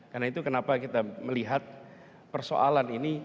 karena itu kenapa kita melihat persoalan ini